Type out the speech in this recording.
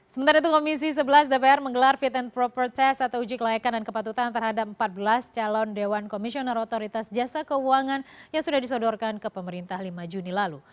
sementara itu komisi sebelas dpr menggelar fit and proper test atau uji kelayakan dan kepatutan terhadap empat belas calon dewan komisioner otoritas jasa keuangan yang sudah disodorkan ke pemerintah lima juni lalu